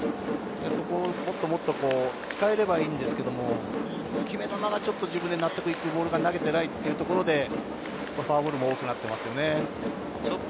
そこをもっともっと使えればいいんですけれど、決め球が自分で納得のいくボールが投げられていないのでフォアボールも多くなっていますね。